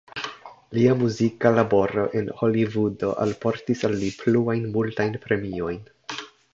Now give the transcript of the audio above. Lia muzika laboro en Holivudo alportis al li pluajn multajn premiojn.